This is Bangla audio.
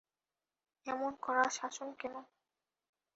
এমন কড়া শাসন কেন।